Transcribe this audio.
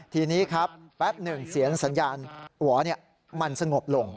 ทีนี้ครับแป๊บหนึ่งเสียงสัญญาณหวอมันสงบลง